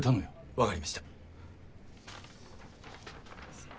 わかりました。